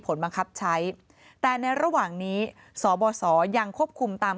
ผลบังคับใช้แต่ในระหว่างนี้สบสยังควบคุมตาม